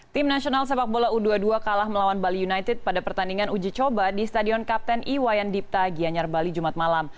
tim nasional sepak bola u dua puluh dua kalah melawan bali united pada pertandingan uji coba di stadion kapten iwayan dipta gianyar bali jumat malam